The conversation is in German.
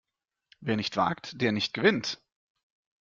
Wer nicht wagt, der nicht gewinnt!